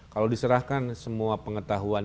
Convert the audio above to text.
kalau diserahkan semua pengetahuan